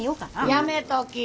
やめとき。